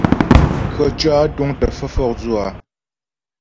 Krəcwɔ́ á túŋ tə́ fə́ fɔkdzʉ á ?